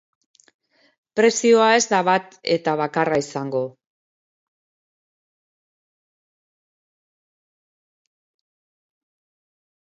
Prezioa ez da bat eta bakarra izango.